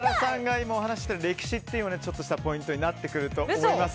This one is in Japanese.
設楽さんが話した歴史というのもちょっとしたポイントになってくると思います。